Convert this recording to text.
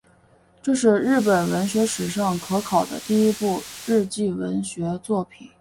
这是日本文学史上可考的第一部日记文学作品。